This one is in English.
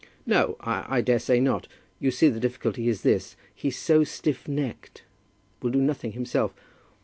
"No; I daresay not. You see the difficulty is this. He's so stiff necked, will do nothing himself.